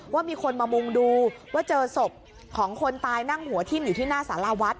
ว่ามีคนมามุงดูว่าเจอศพของคนตายนั่งหัวทิ้มอยู่ที่หน้าสาราวัด